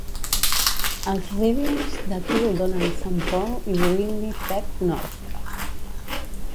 Els ridings de Kildonan-St. Paul i Winnipeg North.